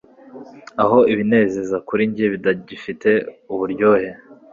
Aho ibinezeza kuri njye bitagifite uburyohe